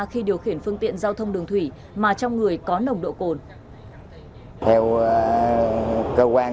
khi điều khiển phương tiện giao thông đường thủy mà trong người có nồng độ cồn